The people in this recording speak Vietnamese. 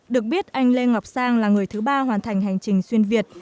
được biết anh lê ngọc sang là người thứ ba hoàn thành hành trình xuyên việt